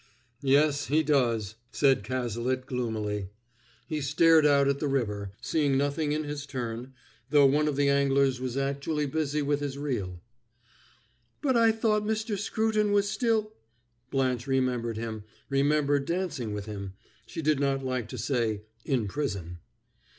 "Yes, he does," said Cazalet gloomily. He stared out at the river, seeing nothing in his turn, though one of the anglers was actually busy with his reel. "But I thought Mr. Scruton was still " Blanche remembered him, remembered dancing with him; she did not like to say, "in prison."